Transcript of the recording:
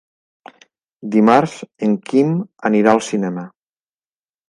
Dimarts en Quim anirà al cinema.